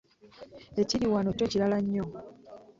Ekiri wano kyo kirala nnyo.